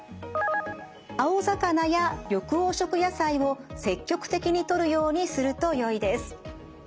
青魚や緑黄色野菜を積極的にとるようにするとよいです。